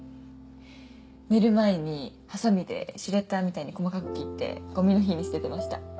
寝る前にハサミでシュレッダーみたいに細かく切ってゴミの日に捨ててました